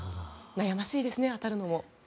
悩ましいですね、当たるのも。